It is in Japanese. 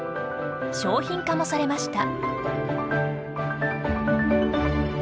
商品化もされました。